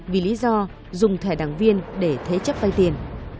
vì lý do dùng thẻ đảng viên để thế chấp vay tiền